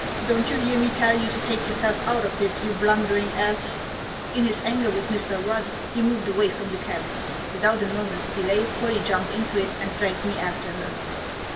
" Dont you hear me tell you to take yourself out of this, you blundering ass !" Digitized by MAX LANDER. 81 In his anger with Mr. Rudd he moved away from the cab. Without a moment's delay Pollie jumped into it, and dragged me after her.